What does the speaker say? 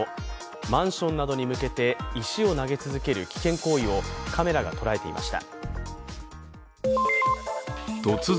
マンションなどに向けて石を投げ続ける危険行為をカメラが捉えていました。